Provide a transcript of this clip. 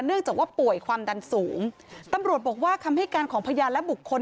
เนื่องจากว่าป่วยความดันสูงตำรวจบอกว่าคำให้การของพยานและบุคคล